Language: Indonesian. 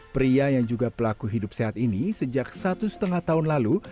pria yang juga pelaku hidup sehat ini sejak satu setengah tahun lalu